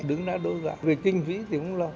đứng đó đối gạc về kinh phí thì không lo